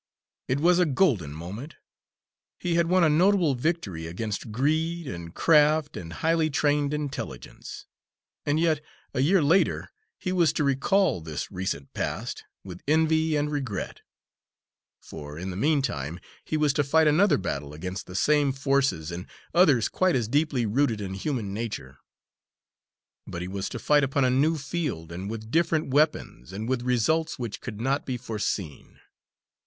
It was a golden moment. He had won a notable victory against greed and craft and highly trained intelligence. And yet, a year later, he was to recall this recent past with envy and regret; for in the meantime he was to fight another battle against the same forces, and others quite as deeply rooted in human nature. But he was to fight upon a new field, and with different weapons, and with results which could not be foreseen.